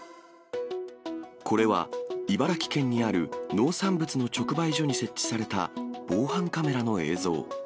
これは、茨城県にある農産物の直売所に設置された防犯カメラの映像。